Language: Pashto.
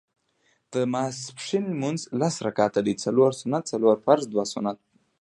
ماسپښېن لمونځ لس رکعته دی څلور سنت څلور فرض دوه سنت دي